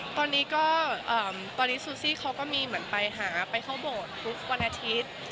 ตอนนี้ก็ตอนนี้ซูซี่เขาก็มีเหมือนไปหาไปเข้าโบสถ์ทุกวันอาทิตย์